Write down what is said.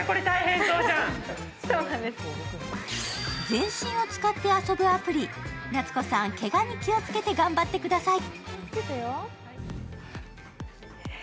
全身を使って遊ぶアプリ、夏子さん、けがに気をつけて頑張ってください。